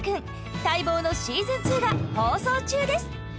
待望のしずん２が放送中です！